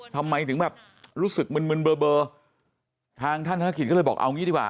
ทำไมถึงแบบรู้สึกมึนมึนเบอร์ทางท่านธนกิจก็เลยบอกเอางี้ดีกว่า